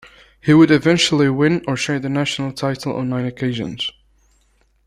He would eventually win or share the national title on nine occasions.